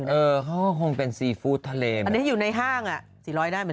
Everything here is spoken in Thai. เออเขาก็คงเป็นซีฟู้ดทะเลอันนี้อยู่ในห้างอ่ะสี่ร้อยได้เหมือน